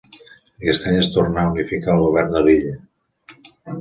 Aquest any es tornà a unificar el govern de l'illa.